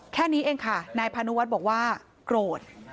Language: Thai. แค่นี้เองค่ะนายพานุวัฒน์บอกว่าโกรธ